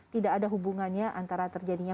tidak ada hubungannya antara terjadinya